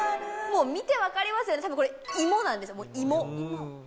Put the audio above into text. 見てわかりますよね、もうこれ、芋なんです！